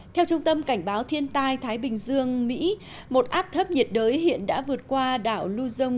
theo trung tâm cảnh báo thiên tai thái bình dương mỹ một áp thấp nhiệt đới hiện đã vượt qua đảo luzon